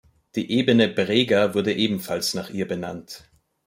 Die Ebene Brega wurde ebenfalls nach ihr benannt.